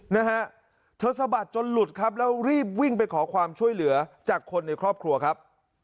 นะฮะเธอสะบัดจนหลุดครับแล้วรีบวิ่งไปขอความช่วยเหลือจากคนในครอบครัวครับ